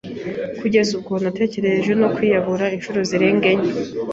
kugeza ubwo natekereje no kwiyahura inshuro zirenga enye